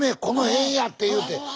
この辺や」っていうて。